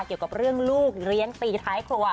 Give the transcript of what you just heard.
เกี่ยวกับเรื่องลูกเลี้ยงตีท้ายครัว